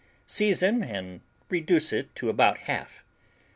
Season and reduce to about half.